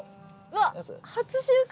わっ初収穫！